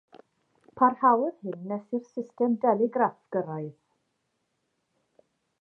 Parhaodd hyn nes i'r system deligraff gyrraedd.